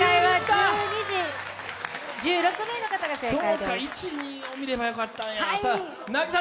そうか、１、２を見ればよかったんや。